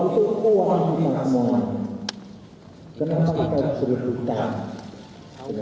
juga akan dikirakan semuanya